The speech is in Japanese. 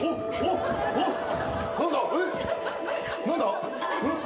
何だ？